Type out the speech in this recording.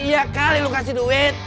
iya kali lo kasih duit